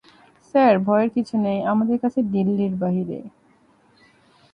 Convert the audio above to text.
Sir, ভয়ের কিছু নেই, আমাদের কাছে দিল্লির বাহিরে।